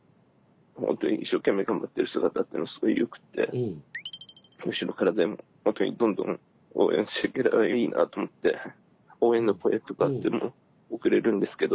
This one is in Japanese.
本当に一生懸命頑張ってる姿というのがすごいよくって後ろからでもほんとにどんどん応援していけたらいいなと思って応援の声とかというのも送れるんですけど。